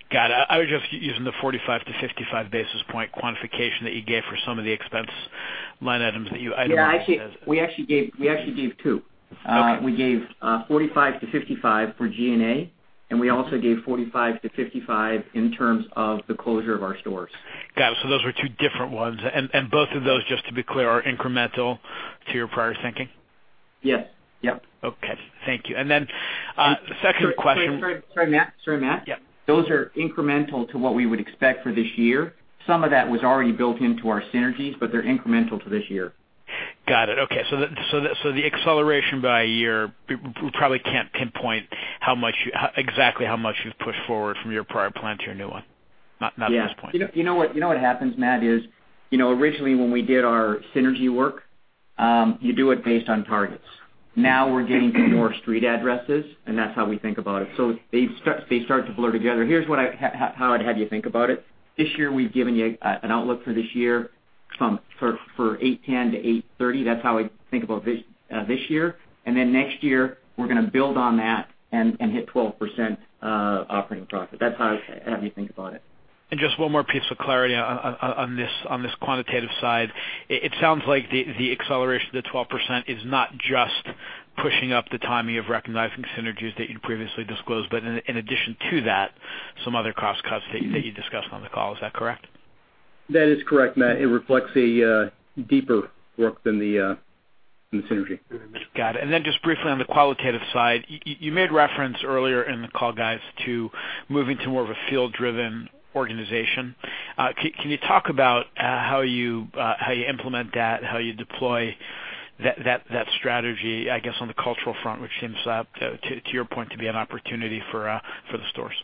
Got it. I was just using the 45-55 basis point quantification that you gave for some of the expense line items that you itemized. Yeah, we actually gave two. Okay. We gave 45-55 for G&A, and we also gave 45-55 in terms of the closure of our stores. Got it. Those were two different ones. Both of those, just to be clear, are incremental to your prior thinking? Yes. Yep. Okay. Thank you. Second question. Sorry, Matt. Yeah. Those are incremental to what we would expect for this year. Some of that was already built into our synergies, but they're incremental to this year. Got it. Okay. The acceleration by year, we probably can't pinpoint exactly how much you've pushed forward from your prior plan to your new one. Not at this point. Yeah. You know what happens, Matt, is originally when we did our synergy work, you do it based on targets. Now we're getting more street addresses, and that's how we think about it. They start to blur together. Here's how I'd have you think about it. This year, we've given you an outlook for this year For $810 million-$830 million. That's how I think about this year. Then next year, we're going to build on that and hit 12% operating profit. That's how I'd have you think about it. Just one more piece of clarity on this quantitative side. It sounds like the acceleration to 12% is not just pushing up the timing of recognizing synergies that you previously disclosed, but in addition to that, some other cost cuts that you discussed on the call. Is that correct? That is correct, Matt. It reflects a deeper work than the synergy. Got it. Then just briefly on the qualitative side, you made reference earlier in the call, guys, to moving to more of a field-driven organization. Can you talk about how you implement that, how you deploy that strategy, I guess, on the cultural front, which seems, to your point, to be an opportunity for the stores?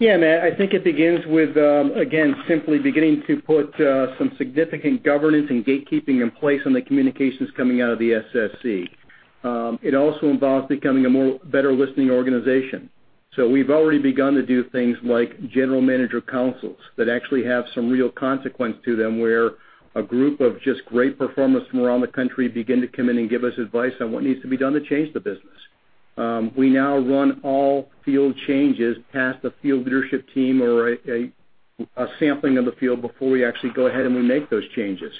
Yeah, Matt. I think it begins with, again, simply beginning to put some significant governance and gatekeeping in place on the communications coming out of the SSC. It also involves becoming a better listening organization. We've already begun to do things like general manager councils that actually have some real consequence to them, where a group of just great performers from around the country begin to come in and give us advice on what needs to be done to change the business. We now run all field changes past the field leadership team or a sampling of the field before we actually go ahead and we make those changes.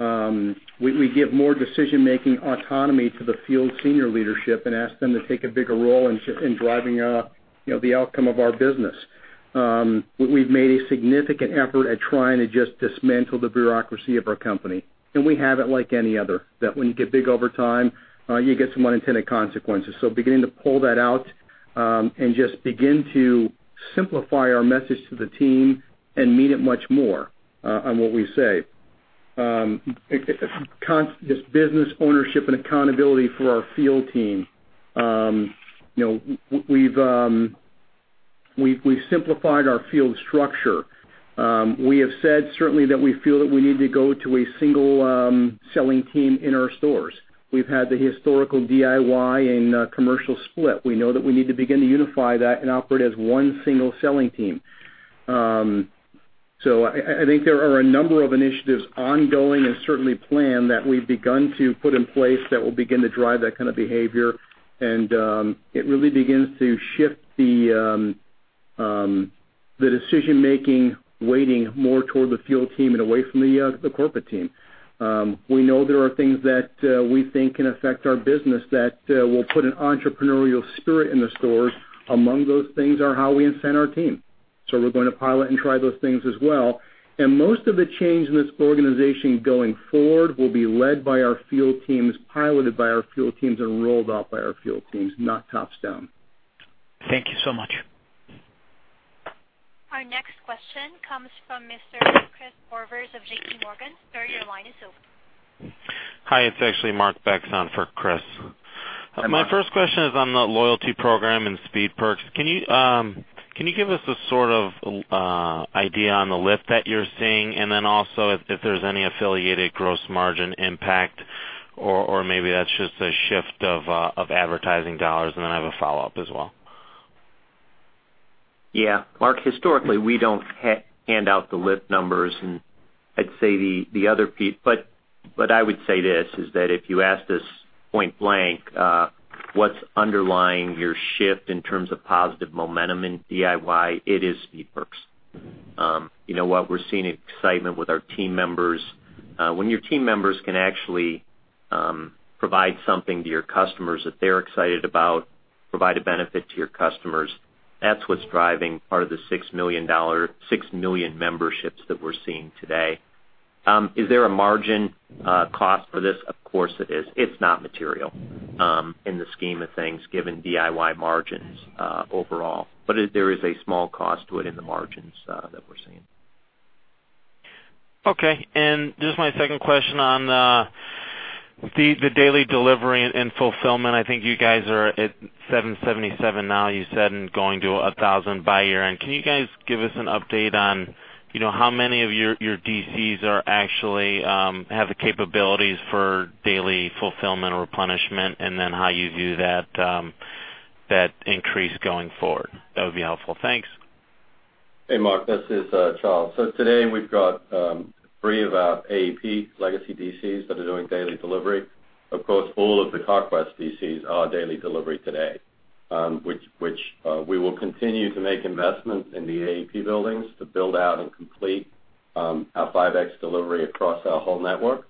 We give more decision-making autonomy to the field senior leadership and ask them to take a bigger role in driving the outcome of our business. We've made a significant effort at trying to just dismantle the bureaucracy of our company. We have it like any other, that when you get big over time, you get some unintended consequences. Beginning to pull that out, and just begin to simplify our message to the team and mean it much more on what we say. This business ownership and accountability for our field team. We've simplified our field structure. We have said certainly that we feel that we need to go to a single selling team in our stores. We've had the historical DIY and commercial split. We know that we need to begin to unify that and operate as one single selling team. I think there are a number of initiatives ongoing and certainly planned that we've begun to put in place that will begin to drive that kind of behavior. It really begins to shift the decision-making weighting more toward the field team and away from the corporate team. We know there are things that we think can affect our business that will put an entrepreneurial spirit in the stores. Among those things are how we incent our team. We're going to pilot and try those things as well. Most of the change in this organization going forward will be led by our field teams, piloted by our field teams, and rolled out by our field teams, not top-down. Thank you so much. Our next question comes from Mr. Christopher Horvers of J.P. Morgan. Sir, your line is open. Hi, it's actually Mark Becks on for Chris. Hi, Mark. My first question is on the loyalty program and Speed Perks. Can you give us a sort of idea on the lift that you're seeing? Also if there's any affiliated gross margin impact or maybe that's just a shift of advertising dollars. I have a follow-up as well. Yeah. Mark, historically, we don't hand out the lift numbers, I would say this, is that if you asked us point blank, "What's underlying your shift in terms of positive momentum in DIY?" It is Speed Perks. What we're seeing excitement with our team members. When your team members can actually provide something to your customers that they're excited about, provide a benefit to your customers, that's what's driving part of the 6 million memberships that we're seeing today. Is there a margin cost for this? Of course it is. It's not material in the scheme of things given DIY margins overall. There is a small cost to it in the margins that we're seeing. Okay. Just my second question on the daily delivery and fulfillment. I think you guys are at 777 now, you said, going to 1,000 by year-end. Can you guys give us an update on how many of your DCs actually have the capabilities for daily fulfillment or replenishment, how you view that increase going forward? That would be helpful. Thanks. Hey, Mark. This is Charles. Today we've got three of our AAP legacy DCs that are doing daily delivery. Of course, all of the Carquest DCs are daily delivery today, which we will continue to make investments in the AAP buildings to build out and complete our 5X delivery across our whole network.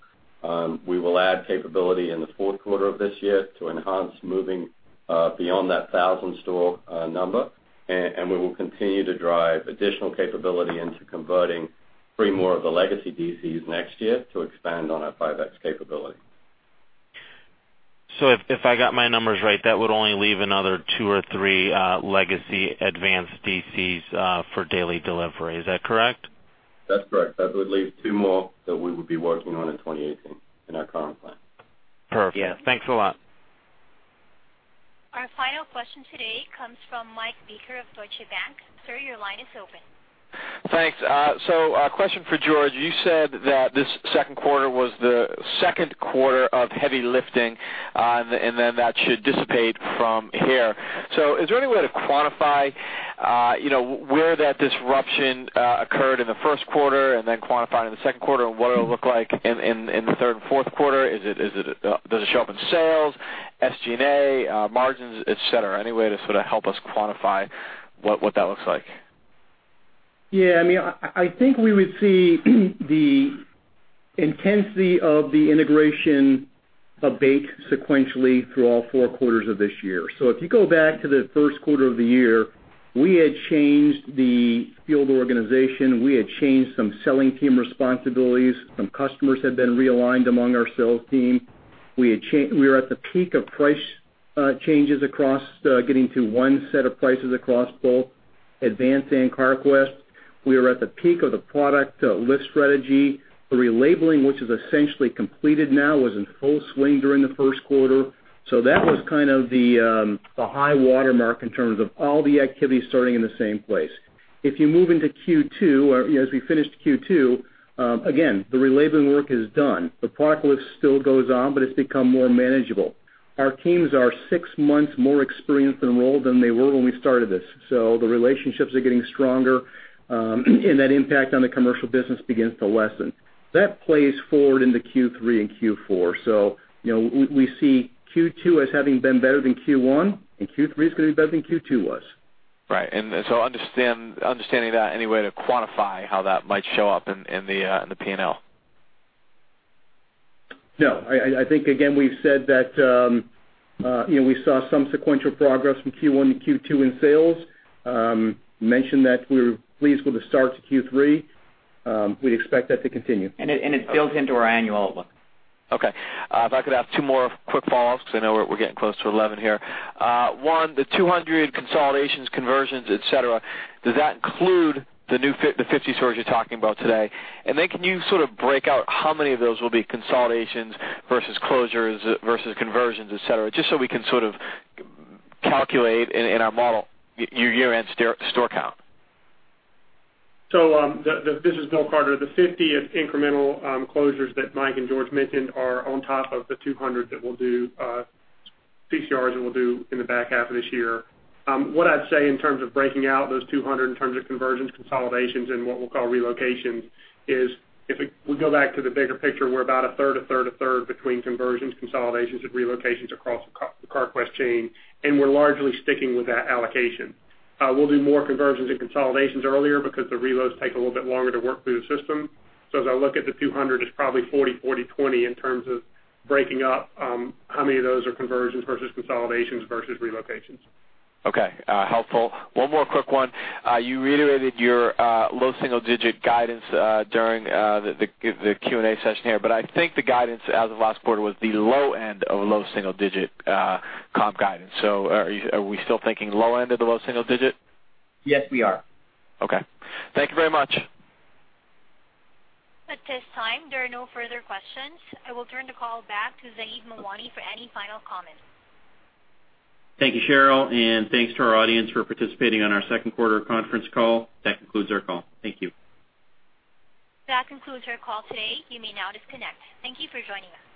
We will add capability in the fourth quarter of this year to enhance moving beyond that 1,000 store number. We will continue to drive additional capability into converting three more of the legacy DCs next year to expand on our 5X capability. If I got my numbers right, that would only leave another two or three legacy Advance DCs for daily delivery. Is that correct? That's correct. That would leave two more that we would be working on in 2018 in our current plan. Perfect. Yeah. Thanks a lot. Our final question today comes from Michael Baker of Deutsche Bank. Sir, your line is open. Thanks. A question for George. You said that this second quarter was the second quarter of heavy lifting, that should dissipate from here. Is there any way to quantify where that disruption occurred in the first quarter and then quantify it in the second quarter, and what it'll look like in the third and fourth quarter? Does it show up in sales, SG&A, margins, et cetera? Any way to sort of help us quantify what that looks like? Yeah. I think we would see the intensity of the integration abate sequentially through all four quarters of this year. If you go back to the first quarter of the year, we had changed the field organization, we had changed some selling team responsibilities. Some customers had been realigned among our sales team. We were at the peak of price changes, getting to one set of prices across both Advance and Carquest. We were at the peak of the product list strategy. The relabeling, which is essentially completed now, was in full swing during the first quarter. That was kind of the high watermark in terms of all the activities starting in the same place. If you move into Q2, or as we finished Q2, again, the relabeling work is done. The product list still goes on, but it's become more manageable. Our teams are six months more experienced and enrolled than they were when we started this. The relationships are getting stronger, and that impact on the commercial business begins to lessen. That plays forward into Q3 and Q4. We see Q2 as having been better than Q1, and Q3 is going to be better than Q2 was. Right. Understanding that, any way to quantify how that might show up in the P&L? No, I think, again, we've said that we saw some sequential progress from Q1 to Q2 in sales, mentioned that we were pleased with the start to Q3. We'd expect that to continue. It built into our annual outlook. Okay. If I could ask two more quick follow-ups, because I know we're getting close to 11 here. One, the 200 consolidations, conversions, et cetera, does that include the 50 stores you're talking about today? Can you sort of break out how many of those will be consolidations versus closures versus conversions, et cetera, just so we can sort of calculate in our model your year-end store count? This is Bill Carter. The 50 incremental closures that Mike and George mentioned are on top of the 200 CCRs that we'll do in the back half of this year. What I'd say in terms of breaking out those 200 in terms of conversions, consolidations, and what we'll call relocations is, if we go back to the bigger picture, we're about a third, a third, a third between conversions, consolidations, and relocations across the Carquest chain, and we're largely sticking with that allocation. We'll do more conversions and consolidations earlier because the reloads take a little bit longer to work through the system. As I look at the 200, it's probably 40, 20 in terms of breaking up how many of those are conversions versus consolidations versus relocations. Okay. Helpful. One more quick one. You reiterated your low single-digit guidance during the Q&A session here, but I think the guidance as of last quarter was the low end of low single-digit comp guidance. Are we still thinking low end of the low single digit? Yes, we are. Okay. Thank you very much. At this time, there are no further questions. I will turn the call back to Zaheed Mawani for any final comments. Thank you, Cheryl, and thanks to our audience for participating on our second quarter conference call. That concludes our call. Thank you. That concludes our call today. You may now disconnect. Thank you for joining us.